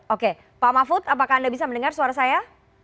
oke pak mahfud apakah anda bisa mendengar suara saya